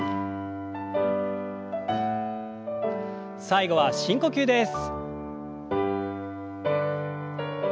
最後は深呼吸です。